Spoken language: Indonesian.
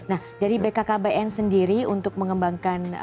nah dari bkkbn sendiri untuk mengembangkan